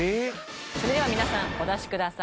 それでは皆さんお出しください